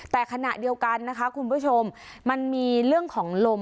แต่ขณะเดียวกันนะคะคุณผู้ชมมันมีเรื่องของลม